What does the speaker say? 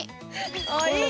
あいい！